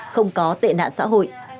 không có tệ nạn xã hội